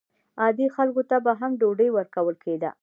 عادي خلکو ته به هم ډوډۍ ورکول کېده.